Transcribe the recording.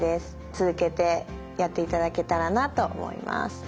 続けてやっていただけたらなと思います。